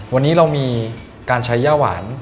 วันนี้เรามีการใช้ย่าหวาน